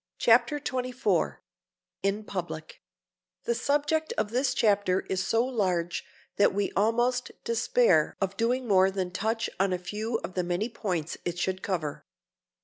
CHAPTER XXIV IN PUBLIC THE subject of this chapter is so large that we almost despair of doing more than touch on a few of the many points it should cover.